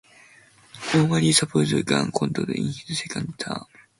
O'Malley supported gun control in his second term.